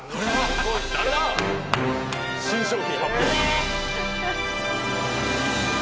誰だ、新商品発表。